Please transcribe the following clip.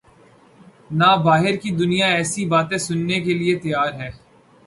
نہ باہر کی دنیا ایسی باتیں سننے کیلئے تیار ہے۔